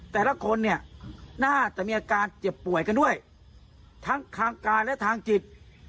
แต่ละคนเนี่ยน่าจะมีอาการเจ็บป่วยกันด้วยทั้งทางกายและทางจิต